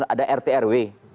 ada rt rw